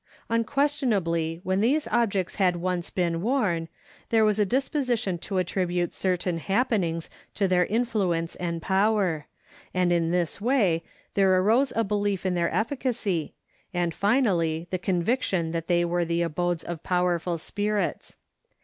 Unquestionably, when these objects had once been worn, there was a disposition to attribute certain happenings to their influence and power, and in this way there arose a belief in their efficacy, and, finally, the conviction that they were the abodes of powerful spirits.